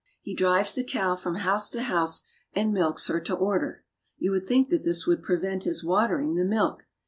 He drives the cow from house to house and milks her to order. You would think that this would pre vent his watering the milk.